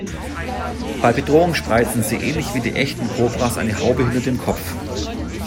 Bei Bedrohung spreizen sie ähnlich wie die Echten Kobras eine Haube hinter dem Kopf.